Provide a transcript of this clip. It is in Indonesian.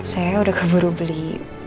saya udah keburu beli